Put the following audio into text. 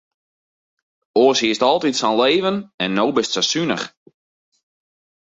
Oars hiest altyd sa'n leven en no bist sa sunich.